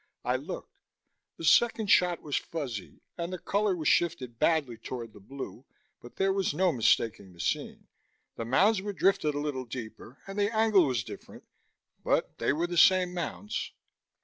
I looked. The second shot was fuzzy, and the color was shifted badly toward the blue, but there was no mistaking the scene. The mounds were drifted a little deeper, and the angle was different, but they were the same mounds.